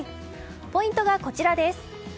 ポイントがこちらです。